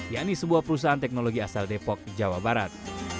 ya ini sebuah perusahaan teknologi asal depok jawa barat